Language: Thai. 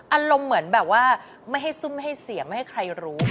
อารมณ์เหมือนแบบว่าไม่ให้ซุ่มให้เสียงไม่ให้ใครรู้